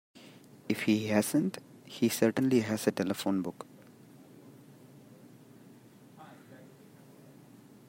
If he hasn't he certainly has a telephone book.